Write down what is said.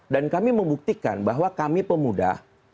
dan kami membuktikan bahwa kami pemuda